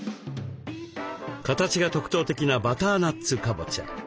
形が特徴的なバターナッツカボチャ。